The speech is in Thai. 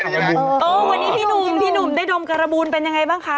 วันนี้พี่หนุ่มพี่หนุ่มได้ดมการบูนเป็นยังไงบ้างคะ